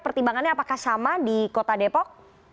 pertimbangannya apakah sama di kota depok